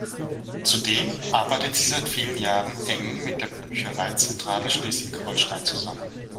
Zudem arbeitet sie seit vielen Jahren eng mit der Büchereizentrale Schleswig-Holstein zusammen.